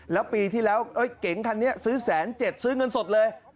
แล้วปีที่แล้วเก๋งคันนี้ซื้อ๑๗๐๐ซื้อเงินสดเลย